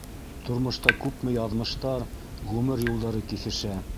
Тормошта күпме яҙмыштар, ғүмер юлдары киҫешә.